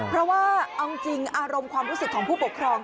เพราะว่าเอาจริงอารมณ์ความรู้สึกของผู้ปกครอง